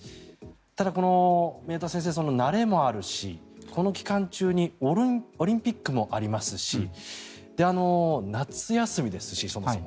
ただ、宮田先生慣れもあるしこの期間中にオリンピックもありますし夏休みですし、そもそも。